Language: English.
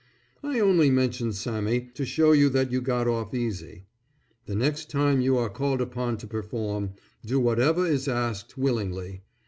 I only mentioned Sammy, to show you that you got off easy. The next time you are called upon to perform, do whatever is asked willingly.